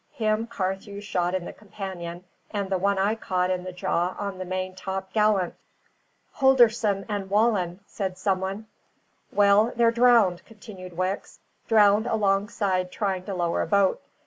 "Him Carthew shot in the companion, and the one I caught in the jaw on the main top gallant?" "Holdorsen and Wallen," said some one. "Well, they're drowned," continued Wicks; "drowned alongside trying to lower a boat.